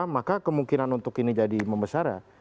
maka kemungkinan untuk ini jadi membesar ya